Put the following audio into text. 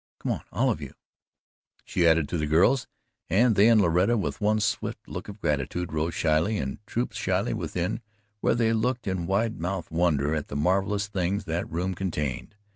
Come on, all of you," she added to the girls, and they and Loretta with one swift look of gratitude rose shyly and trooped shyly within where they looked in wide mouthed wonder at the marvellous things that room contained.